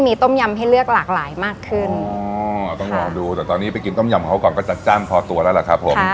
มีต้มยำให้เลือกหลากหลายมากขึ้นอ๋อต้องลองดูแต่ตอนนี้ไปกินต้มยำเขาก่อนก็จัดจ้านพอตัวแล้วล่ะครับผม